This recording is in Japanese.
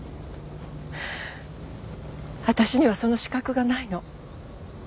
私にはその資格がないの。